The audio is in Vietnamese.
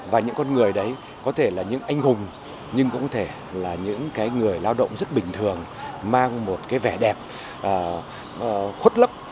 và những con người đấy có thể là những anh hùng nhưng cũng có thể là những người lao động rất bình thường mang một cái vẻ đẹp khuất lấp